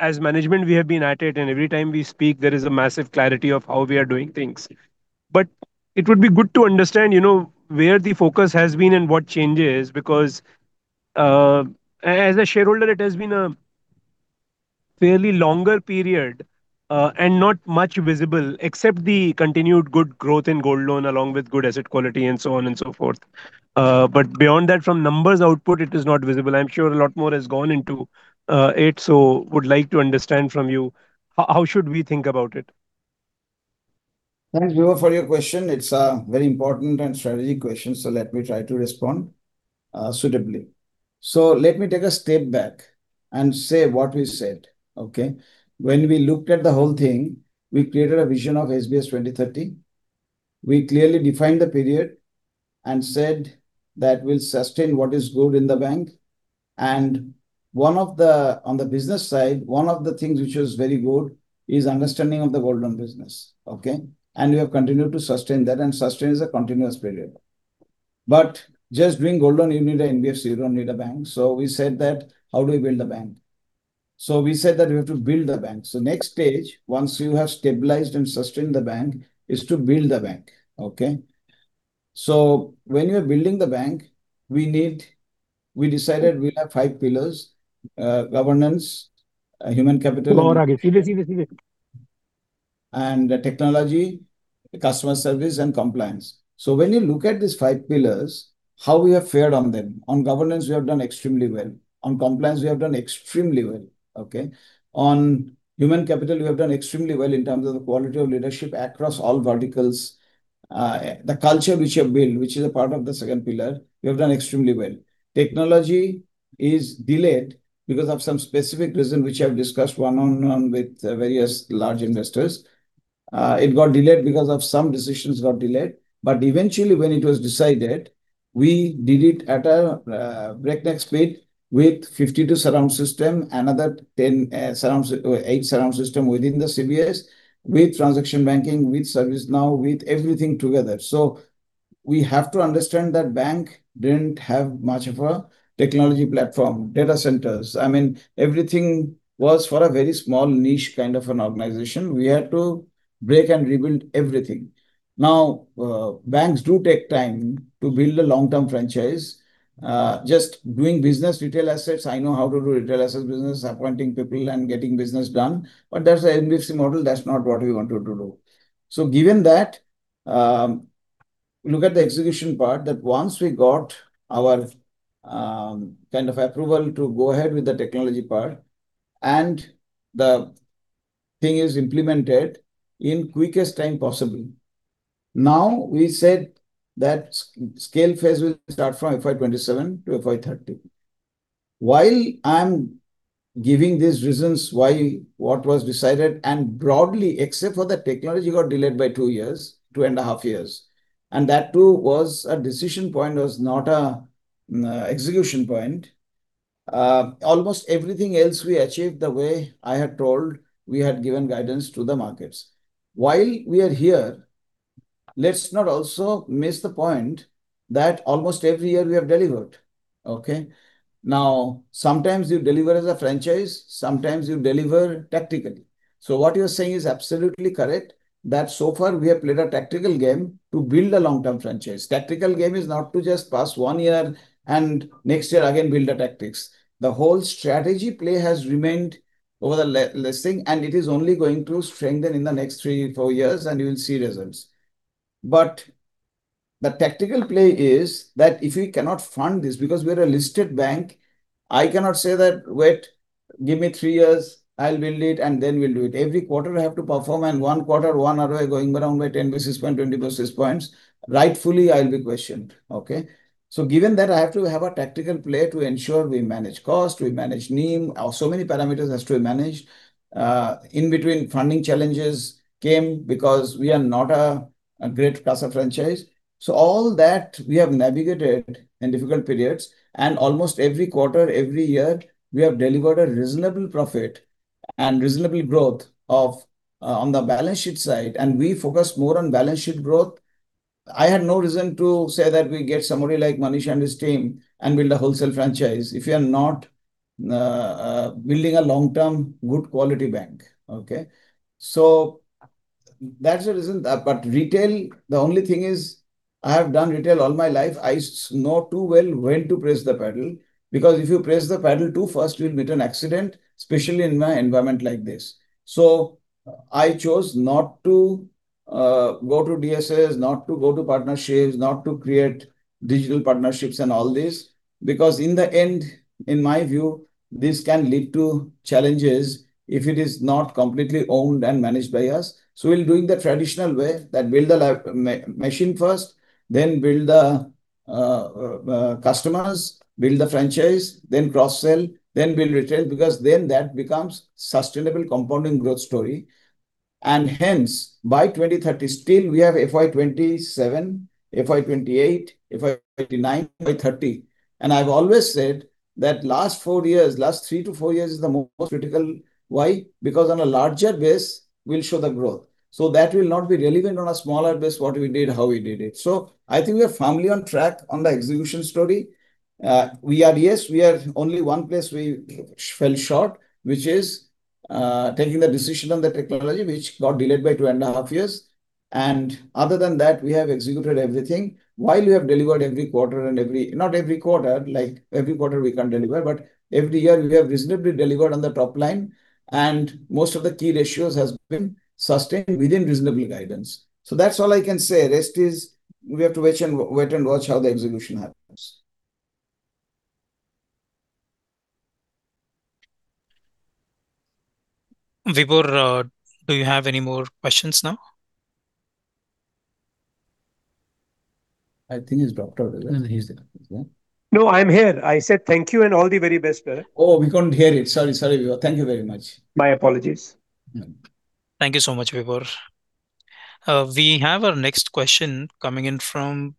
as management, we have been at it, and every time we speak, there is a massive clarity of how we are doing things. It would be good to understand, where the focus has been and what changes. As a shareholder, it has been a fairly longer period, and not much visible except the continued good growth in gold loan, along with good asset quality, and so on and so forth. Beyond that, from numbers output, it is not visible. I'm sure a lot more has gone into it, would like to understand from you, how should we think about it? Thanks, Vibhor, for your question. It's a very important and strategic question, let me try to respond suitably. Let me take a step back and say what we said. Okay? When we looked at the whole thing, we created a vision of SBS 2030. We clearly defined the period and said that we'll sustain what is good in the bank. On the business side, one of the things which was very good is understanding of the gold loan business. Okay? We have continued to sustain that, and sustain is a continuous variable. Just doing gold loan, you need an NBFC, you don't need a bank. We said that, how do we build a bank? We said that we have to build a bank. Next stage, once you have stabilized and sustained the bank, is to build the bank. Okay? When we were building the bank, we decided we'll have five pillars: governance, human capital, technology, customer service, and compliance. When you look at these five pillars, how we have fared on them. On governance, we have done extremely well. On compliance, we have done extremely well. Okay? On human capital, we have done extremely well in terms of the quality of leadership across all verticals. The culture which we have built, which is a part of the second pillar, we have done extremely well. Technology is delayed because of some specific reason, which I've discussed one-on-one with various large investors. It got delayed because of some decisions got delayed, eventually, when it was decided, we did it at a breakneck speed with 52 surround system, another eight surround system within the CBS, with transaction banking, with ServiceNow, with everything together. We have to understand that bank didn't have much of a technology platform, data centers. Everything was for a very small niche kind of an organization. We had to break and rebuild everything. Banks do take time to build a long-term franchise. Just doing business retail assets, I know how to do retail assets business, appointing people, and getting business done. That's the NBFC model, that's not what we wanted to do. Given that, look at the execution part, that once we got our kind of approval to go ahead with the technology part and the thing is implemented in quickest time possible. We said that scale phase will start from fiscal year 2027 to fiscal year 2030. While I'm giving these reasons what was decided, and broadly, except for the technology got delayed by two years, 2.5 Years. That too was a decision point, was not a execution point. Almost everything else we achieved the way I had told we had given guidance to the markets. While we are here, let's not also miss the point that almost every year we have delivered. Okay. Sometimes you deliver as a franchise, sometimes you deliver tactically. What you're saying is absolutely correct, that so far we have played a tactical game to build a long-term franchise. Tactical game is not to just pass one year and next year again build the tactics. The whole strategy play has remained over the listing, and it is only going to strengthen in the next three, four years, and you will see results. The tactical play is that if we cannot fund this, because we're a listed bank, I cannot say that, "Wait, give me three years, I'll build it, and then we'll do it." Every quarter I have to perform, and one quarter, one ROI going down by 10 basis points, 20 basis points, rightfully I'll be questioned. Okay. Given that, I have to have a tactical play to ensure we manage cost, we manage NIM. Many parameters has to be managed. In between, funding challenges came because we are not a great class of franchise. All that we have navigated in difficult periods, and almost every quarter, every year, we have delivered a reasonable profit and reasonable growth on the balance sheet side. We focus more on balance sheet growth. I had no reason to say that we get somebody like Manish and his team and build a wholesale franchise if we are not building a long-term good quality bank. Okay. That's the reason. Retail, the only thing is I have done retail all my life. I know too well when to press the pedal, because if you press the pedal too fast, you'll meet an accident, especially in my environment like this. I chose not to go to DSA, not to go to partnerships, not to create digital partnerships and all this, because in the end, in my view, this can lead to challenges if it is not completely owned and managed by us. We're doing the traditional way, that build the machine first, then build the customers, build the franchise, then cross-sell, then build retail, because then that becomes sustainable compounding growth story. Hence, by 2030, still we have fiscal year 2027, fiscal year 2028, fiscal year 2029, fiscal year 2030. I've always said that last four years, last three to four years is the most critical. Why? Because on a larger base, we'll show the growth. That will not be relevant on a smaller base, what we did, how we did it. I think we are firmly on track on the execution story. Yes, we are only one place we fell short, which is taking the decision on the technology, which got delayed by 2.5 Years. Other than that, we have executed everything. While we have delivered every quarter and every quarter we can't deliver, but every year we have reasonably delivered on the top line, and most of the key ratios has been sustained within reasonable guidance. That's all I can say. Rest is we have to wait and watch how the execution happens. Vibhor, do you have any more questions now? I think he's dropped out. No, he's there. Yeah. No, I'm here. I said thank you and all the very best, sir. Oh, we couldn't hear it. Sorry. Sorry, Vibhor. Thank you very much. My apologies. Yeah. Thank you so much, Vibhor. We have our next question coming in from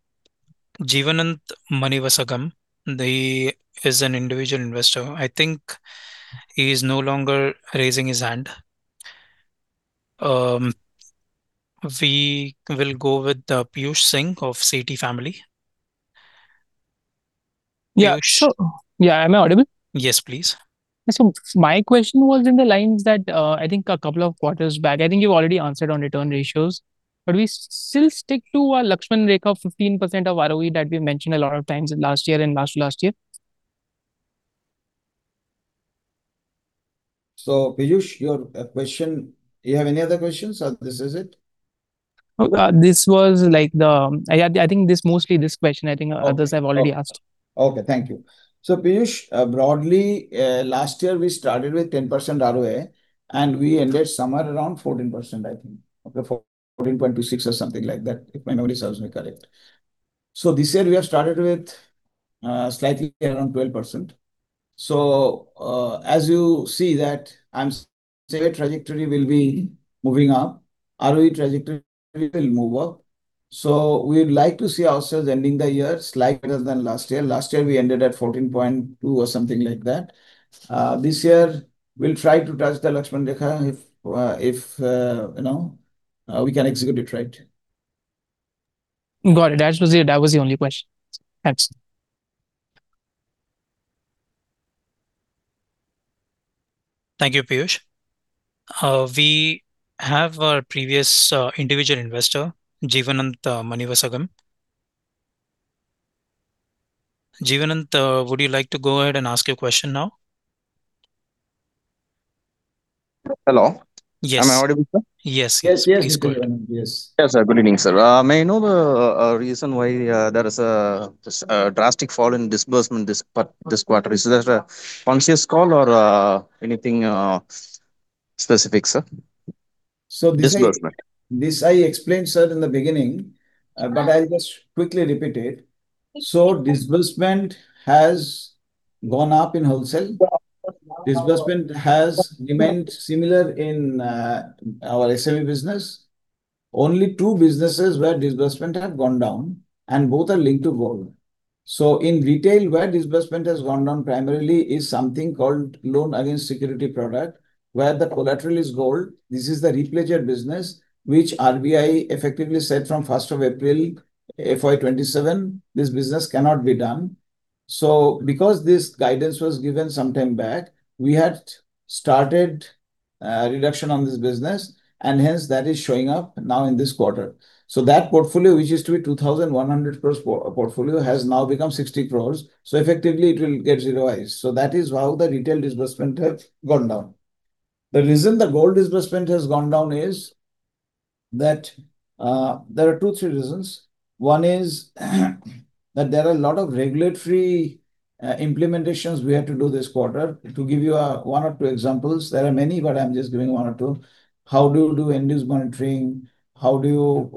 Jeevananth Manivasagam. He is an individual investor. I think he is no longer raising his hand. We will go with Piyush Singh of CT Family. Piyush. Yeah. Sure. Yeah. Am I audible? Yes, please. My question was in the lines that, I think a couple of quarters back, I think you've already answered on return ratios, but we still stick to our Lakshman Rekha 15% of ROE that we've mentioned a lot of times last year. Piyush, your question. You have any other questions or this is it? This was like I think mostly this question, I think others have already asked. Okay. Thank you. Piyush, broadly, last year we started with 10% ROA and we ended somewhere around 14%, I think. 14.26% or something like that, if my memory serves me correct. This year we have started with slightly around 12%. As you see that I'm saying the trajectory will be moving up, ROE trajectory will move up. We would like to see ourselves ending the year slightly better than last year. Last year, we ended at 14.2% or something like that. This year, we'll try to touch the Lakshman Rekha if we can execute it right. Got it. That was the only question. Thanks. Thank you, Piyush. We have our previous individual investor, Jeevananth Manivasagam. Jeevananth, would you like to go ahead and ask your question now? Hello. Yes. Am I audible, sir? Yes. Yes. Please go ahead. Yes. Yes, sir. Good evening, sir. May I know the reason why there is a drastic fall in disbursement this quarter? Is there a conscious call or anything specific, sir? So this- Disbursement. This I explained, sir, in the beginning. Right. I'll just quickly repeat it. Disbursement has gone up in wholesale. Disbursement has remained similar in our SME business. Only two businesses where disbursement has gone down, and both are linked to gold. In retail, where disbursement has gone down primarily is something called loan against security product, where the collateral is gold. This is the replacer business, which RBI effectively said from April 1st, fiscal year 2027, this business cannot be done. Because this guidance was given some time back, we had started a reduction on this business, and hence that is showing up now in this quarter. That portfolio, which used to be 2,100+ portfolio, has now become 60 crores. Effectively it will get zeroized. That is how the retail disbursement has gone down. The reason the gold disbursement has gone down is that there are two, three reasons. One is that there are a lot of regulatory implementations we had to do this quarter. To give you one or two examples, there are many, but I'm just giving one or two. How do you do end-use monitoring? How do you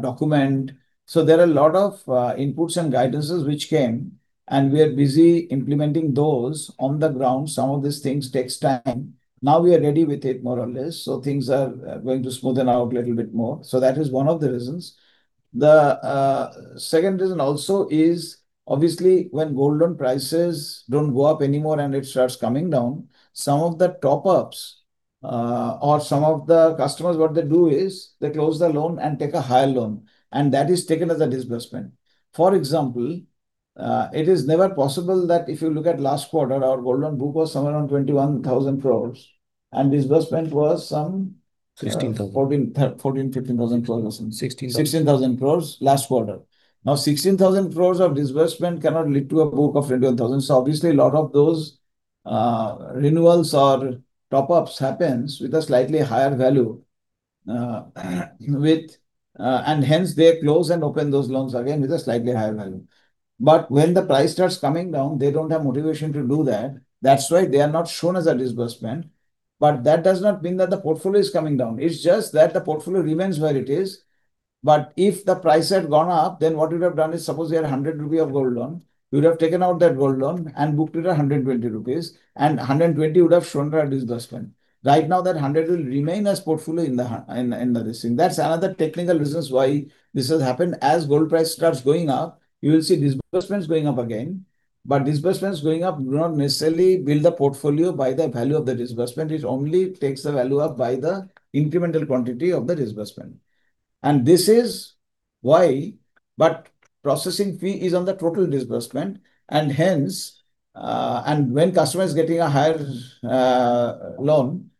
document? There are a lot of inputs and guidances which came, and we are busy implementing those on the ground. Some of these things takes time. Now we are ready with it more or less, things are going to smoothen out a little bit more. That is one of the reasons. The second reason also is, obviously, when gold loan prices don't go up anymore and it starts coming down, some of the top ups or some of the customers, what they do is they close the loan and take a higher loan, and that is taken as a disbursement. It is never possible that if you look at last quarter, our gold loan book was somewhere around 21,000 crore, and disbursement was 16,000 crore. 14,000-15,000 crore or something. 16,000 crore. 16,000 crore last quarter. 16,000 crore of disbursement cannot lead to a book of 21,000 crore. Obviously, a lot of those renewals or top-ups happens with a slightly higher value, and hence they close and open those loans again with a slightly higher value. When the price starts coming down, they don't have motivation to do that. That's why they are not shown as a disbursement. That does not mean that the portfolio is coming down. It's just that the portfolio remains where it is. If the price had gone up, then what you'd have done is suppose you had 100 rupees of gold loan, you would have taken out that gold loan and booked it at 120 rupees, and 120 would have shown the disbursement. That 100 will remain as portfolio in the system. That's another technical reasons why this has happened. As gold price starts going up, you will see disbursements going up again. Disbursements going up do not necessarily build the portfolio by the value of the disbursement. It only takes the value up by the incremental quantity of the disbursement. This is why, processing fee is on the total disbursement, and when customer is getting a higher loan,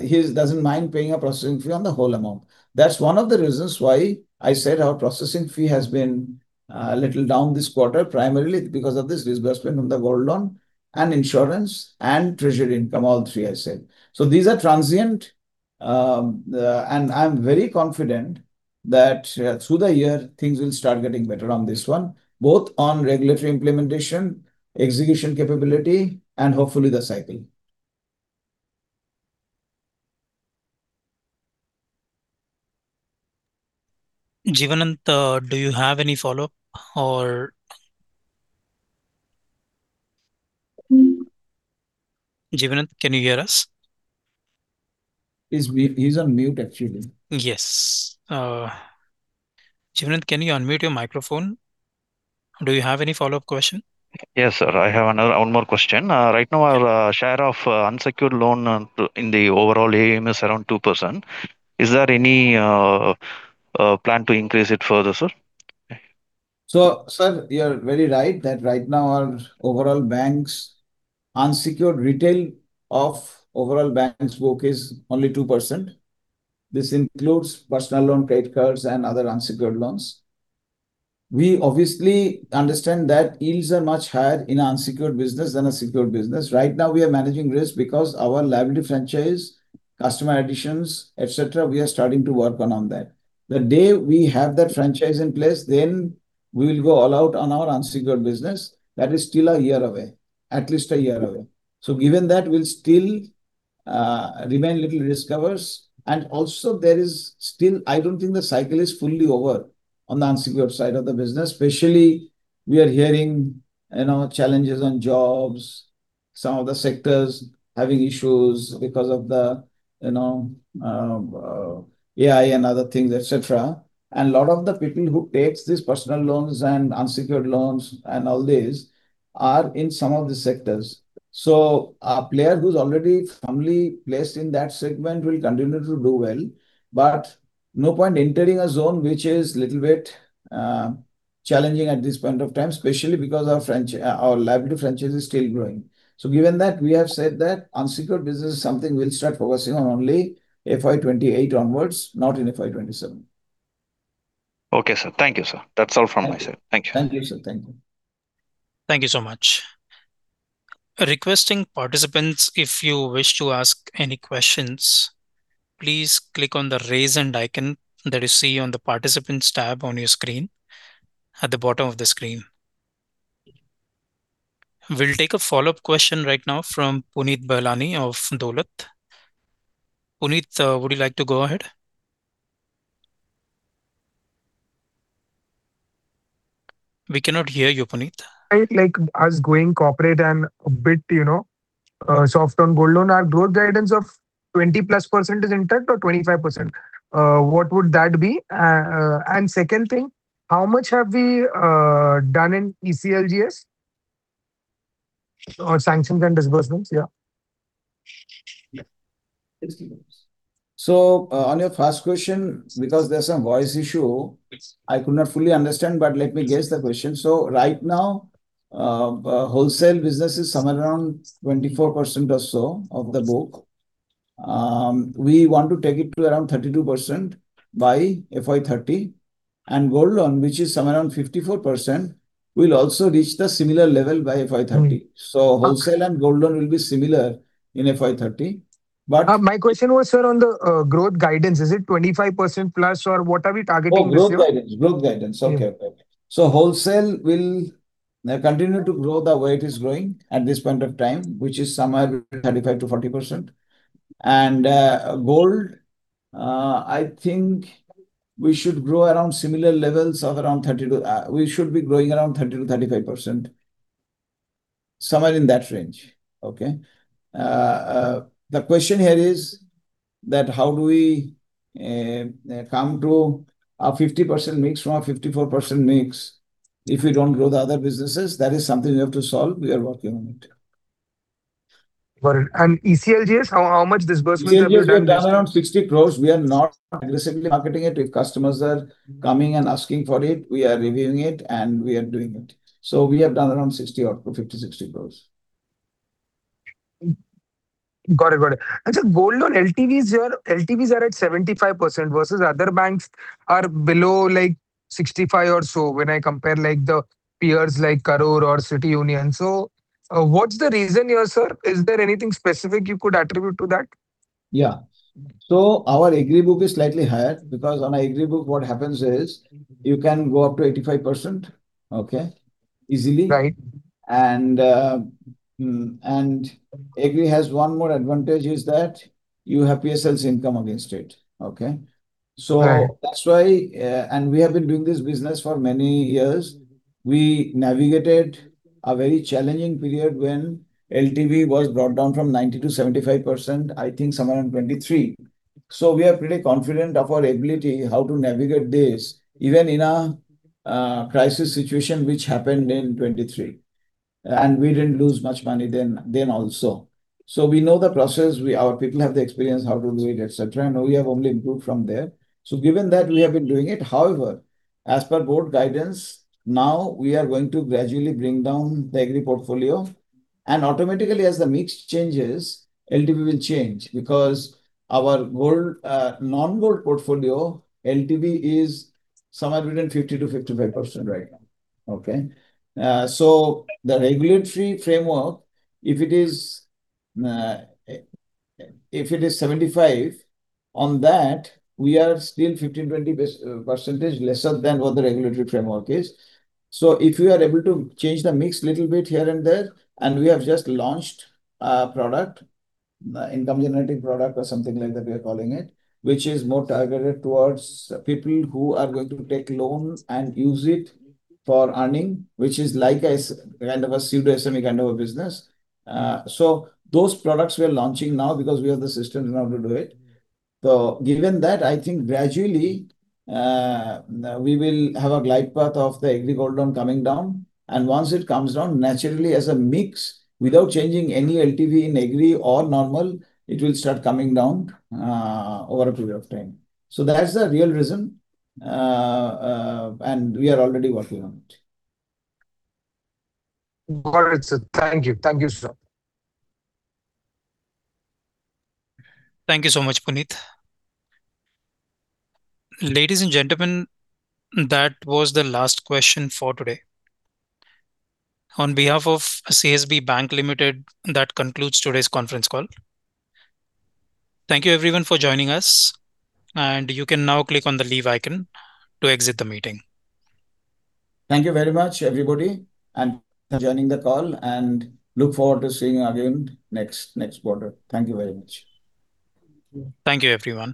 he doesn't mind paying a processing fee on the whole amount. That's one of the reasons why I said our processing fee has been a little down this quarter, primarily because of this disbursement on the gold loan and insurance and treasury income. All three, I said. These are transient, and I'm very confident that through the year, things will start getting better on this one, both on regulatory implementation, execution capability, and hopefully the cycle. Jeevananth, do you have any follow-up or Jeevananth, can you hear us? He's on mute, actually. Yes. Jeevananth, can you unmute your microphone? Do you have any follow-up question? Yes, sir, I have one more question. Right now, our share of unsecured loan in the overall AUM is around 2%. Is there any plan to increase it further, sir? Sir, you are very right that right now our overall bank's unsecured retail of overall bank's book is only 2%. This includes personal loan, credit cards, and other unsecured loans. We obviously understand that yields are much higher in unsecured business than a secured business. Right now, we are managing risk because our liability franchise, customer additions, et cetera, we are starting to work on that. The day we have that franchise in place, then we will go all out on our unsecured business. That is still a year away, at least a year away. Given that, we'll still remain little risk-averse, and also there is still, I don't think the cycle is fully over on the unsecured side of the business. Especially, we are hearing challenges on jobs, some of the sectors having issues because of the AI and other things, et cetera. A lot of the people who takes these personal loans and unsecured loans and all these are in some of the sectors. A player who's already firmly placed in that segment will continue to do well, but no point entering a zone which is little bit challenging at this point of time, especially because our liability franchise is still growing. Given that, we have said that unsecured business is something we'll start focusing on only fiscal year 2028 onwards, not in fiscal year 2027. Okay, sir. Thank you, sir. That's all from my side. Thank you. Thank you, sir. Thank you. Thank you so much. Requesting participants, if you wish to ask any questions, please click on the Raise Hand icon that you see on the Participants tab on your screen, at the bottom of the screen. We'll take a follow-up question right now from Puneet Balani of Dolat. Puneet, would you like to go ahead? We cannot hear you, Puneet. Like as going corporate and a bit, often gold loan are growth guidance of 20+% is intact or 25%. What would that be? Second thing, how much have we done in ECLGS? Sanctions and disbursements? Yeah. On your first question, because there's a voice issue, I could not fully understand, let me guess the question. Right now, wholesale business is somewhere around 24% or so of the book. We want to take it to around 32% by fiscal year 2030, and gold loan, which is somewhere around 54%, will also reach the similar level by fiscal year 2030. Wholesale and gold loan will be similar in fiscal year 2030. My question was, sir, on the growth guidance. Is it 25%+, or what are we targeting this year? Oh, growth guidance. Growth guidance. Okay. Yeah. Wholesale will continue to grow the way it is growing at this point of time, which is somewhere between 35%-40%. Gold, I think we should grow around similar levels. We should be growing around 30%-35%, somewhere in that range. Okay? The question here is that how do we come to a 50% mix from a 54% mix if we don't grow the other businesses? That is something we have to solve. We are working on it. Got it. ECLGs, how much disbursements have been done this year? ECLGs, we have done around 60 crore. We are not aggressively marketing it. If customers are coming and asking for it, we are reviewing it, and we are doing it. We have done around 50 crore, 60 crore. Got it. Sir, gold loan LTVs are at 75% versus other banks are below 65% or so when I compare the peers like Karur or City Union. What's the reason here, sir? Is there anything specific you could attribute to that? Yeah. Our agri book is slightly higher because on agri book what happens is you can go up to 85%, okay? Easily. Right. Agri has one more advantage, is that you have PSL's income against it. Okay? Right. That's why. We have been doing this business for many years. We navigated a very challenging period when LTV was brought down from 90%-75%, I think somewhere in 2023. We are pretty confident of our ability how to navigate this, even in a crisis situation, which happened in 2023. We didn't lose much money then also. We know the process, our people have the experience how to do it, et cetera, and now we have only improved from there. Given that we have been doing it, however, as per board guidance, now we are going to gradually bring down the agri portfolio. Automatically, as the mix changes, LTV will change because our non-gold portfolio LTV is somewhere between 50%-55% right now. Okay? The regulatory framework, if it is 75%, on that, we are still 15%, 20% lesser than what the regulatory framework is. If we are able to change the mix little bit here and there, and we have just launched a product, income generating product or something like that we are calling it, which is more targeted towards people who are going to take loans and use it for earning, which is like a kind of a pseudo SME kind of a business. Those products we are launching now because we have the systems now to do it. Given that, I think gradually, we will have a glide path of the agri gold loan coming down. Once it comes down, naturally, as a mix, without changing any LTV in agri or normal, it will start coming down, over a period of time. That's the real reason, and we are already working on it. Got it, sir. Thank you. Thank you, sir. Thank you so much, Puneet. Ladies and gentlemen, that was the last question for today. On behalf of CSB Bank Limited, that concludes today's conference call. Thank you everyone for joining us, and you can now click on the leave icon to exit the meeting. Thank you very much, everybody, and for joining the call, and look forward to seeing you again next quarter. Thank you very much. Thank you, everyone.